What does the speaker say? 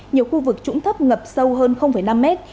nhiều khu vực trũng thấp ngập sâu hơn năm mét